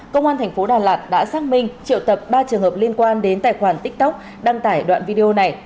công an thành phố đà lạt đã xác minh triệu tập ba trường hợp liên quan đến tài khoản tiktok đăng tải đoạn video này